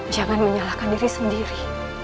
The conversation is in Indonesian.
jangan menyalahkan diri sendiri